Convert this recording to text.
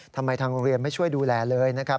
ทำไมทางโรงเรียนไม่ช่วยดูแลเลยนะครับ